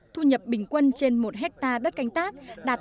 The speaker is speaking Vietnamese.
thu nhập bình quân trên một hectare đất cánh tác đạt tám mươi ba